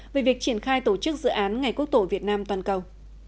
về việc triển khai tổ chức dự án ngày quốc tổ việt nam toàn cầu